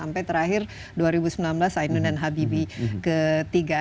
sampai terakhir dua ribu sembilan belas sainun dan habibie ketiga